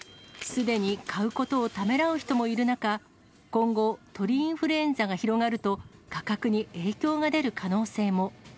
すでに買うことをためらう人もいる中、今後、鳥インフルエンザが広がると、価格に影響が出る可能性も。